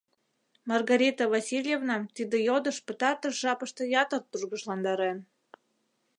Маргарита Васильевнам тиде йодыш пытартыш жапыште ятыр тургыжландарен.